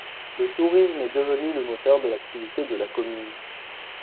Le tourisme est devenu le moteur de l'activité de la commune.